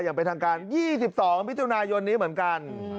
อย่างเป็นทางการ๒๒มิถุนายนนี้เหมือนกัน